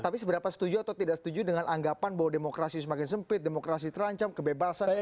tapi seberapa setuju atau tidak setuju dengan anggapan bahwa demokrasi semakin sempit demokrasi terancam kebebasan